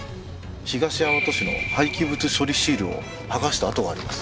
東大和市の廃棄物処理シールを剥がした跡があります。